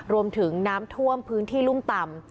รวมถึงน้ำท่วมพื้นที่รุ่มต่ำ